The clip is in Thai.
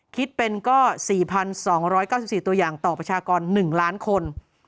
คิดเป็นก็๔๒๙๔ตัวอย่างต่อประชากร๑ล้านคน